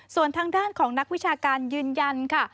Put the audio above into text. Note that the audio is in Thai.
ส่วนทางด้านของนักวิชาการยืนยันค่ะ